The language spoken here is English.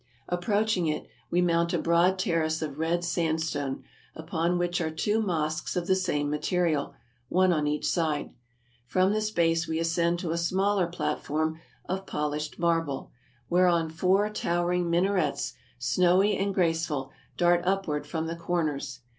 Approaching it, we mount a broad terrace of red sand stone, upon which are two mosques of the same material, one on each side. From this base we ascend to a smaller platform of polished marble, whereon four towering mina rets, snowy and graceful, dart upward from the corners.